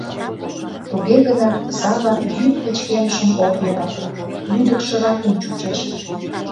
Туге гынат Сава йӱд пычкемышым ок йӧрате, лӱдыкшыракын чучеш...